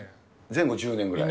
前後１０年ぐらい？